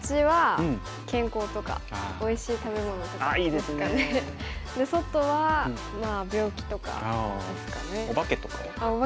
で外はまあ病気とかですかね。